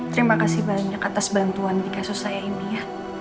terima kasih banyak atas bantuan di kasus saya ini ya